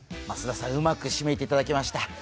増田さん、うまく締めていただきました。